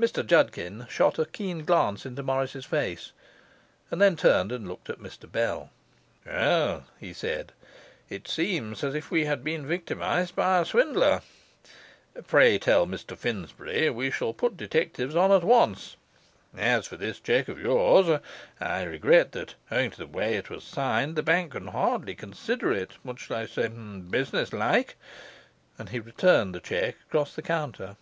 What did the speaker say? Mr Judkin shot a keen glance into Morris's face; and then turned and looked at Mr Bell. 'Well,' he said, 'it seems as if we had been victimized by a swindler. Pray tell Mr Finsbury we shall put detectives on at once. As for this cheque of yours, I regret that, owing to the way it was signed, the bank can hardly consider it what shall I say? businesslike,' and he returned the cheque across the counter.